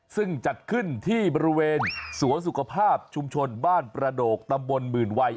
ซึ่งจัดขึ้นที่บริเวณสวนสุขภาพชุมชนบ้านประโดกตำบลหมื่นวัย